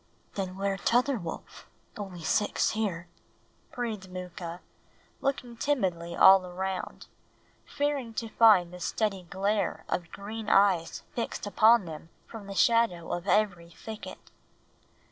"Then where tother wolf? Only six here," breathed Mooka, looking timidly all around, fearing to find the steady glare of green eyes fixed upon them from the shadow of every thicket.